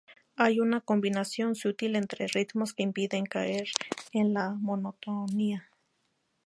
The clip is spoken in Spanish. Hay una combinación sutil entre ritmos que impiden caer en la monotonía.